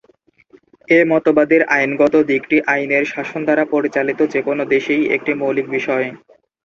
এ মতবাদের আইনগত দিকটি আইনের শাসন দ্বারা পরিচালিত যেকোনো দেশেই একটি মৌলিক বিষয়।